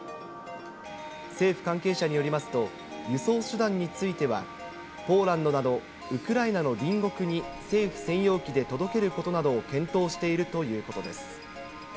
政府関係者によりますと、輸送手段については、ポーランドなどウクライナの隣国に政府専用機で届けることなどを検討しているということです。